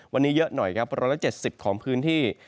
วันนี้เยอะหน่อยครับ๑๗๐ของพื้นที่